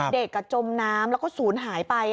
เด็ดประจมน้ำและก็ศูนย์หายไป